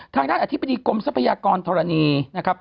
ทางด้านอธิบดีกรมทรัพยากรธรณีนะครับ